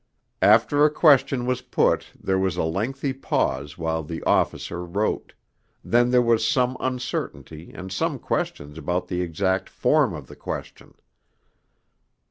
After a question was put there was a lengthy pause while the officer wrote; then there was some uncertainty and some questions about the exact form of the question.